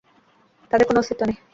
তাদের কোনো অস্তিত্ব নেই।